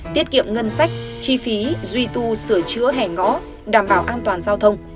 tiết kiệm ngân sách chi phí duy tu sửa chữa hè ngõ đảm bảo an toàn giao thông